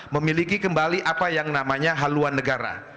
memiliki kembali apa yang namanya haluan negara